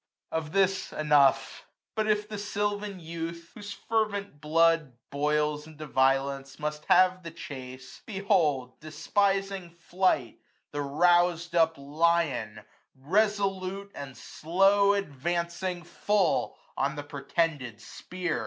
Of this enough. But if the sylvan youth. Whose fervent blood boils into violence, Must have the chase ; behold, despising flight, 460 The rous'd up lion, resolute, and slow, Advancing full on the protended spear.